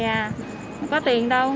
không có tiền đâu